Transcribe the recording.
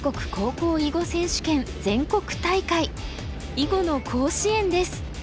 囲碁の甲子園です。